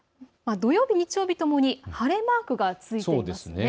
土曜日、日曜日ともに晴れマークが続きます。